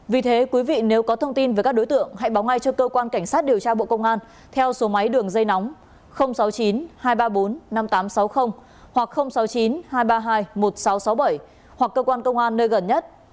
vì thế quý vị nếu có thông tin về các đối tượng hãy báo ngay cho cơ quan cảnh sát điều tra bộ công an theo số máy đường dây nóng sáu mươi chín hai trăm ba mươi bốn năm nghìn tám trăm sáu mươi hoặc sáu mươi chín hai trăm ba mươi hai một nghìn sáu trăm sáu mươi bảy hoặc cơ quan công an nơi gần nhất